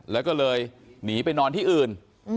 แล้วก็เลยหนีไปนอนที่อื่น